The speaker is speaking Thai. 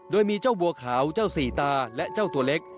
โดยมีเจ้าบัวขาวเจ้าสี่ตาและเจ้าตัวเล็ก